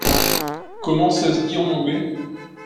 Comment ça se dit en anglais ?